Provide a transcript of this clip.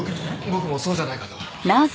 僕もそうじゃないかと。